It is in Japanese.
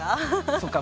そっか。